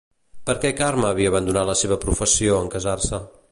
Per què Carme havia abandonat la seva professió en casar-se?